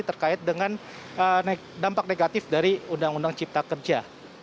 terkait dengan dampak negatif dari undang undang cipta kerja